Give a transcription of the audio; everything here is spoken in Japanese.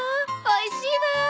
おいしいわ。